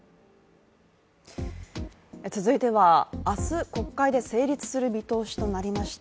続いては明日国会で成立する見通しとなりました